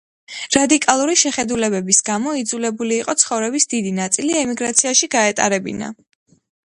რადიკალური შეხედულებების გამო იძულებული იყო ცხოვრების დიდი ნაწილი ემიგრაციაში გაეტარებინა.